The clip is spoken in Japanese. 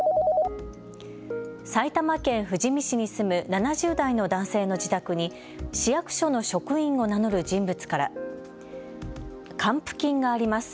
埼玉県富士見市に住む７０代の男性の自宅に市役所の職員を名乗る人物から還付金があります。